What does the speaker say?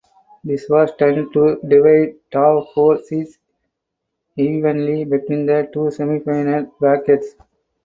This was done to divide top four seeds evenly between the two semifinal brackets.